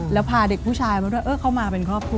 แล้วพาเด็กผู้ชายเข้ามาเป็นครอบครัว